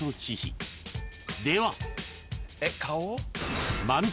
［では］